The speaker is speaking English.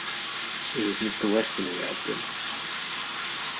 It was Mr. Weston who helped him.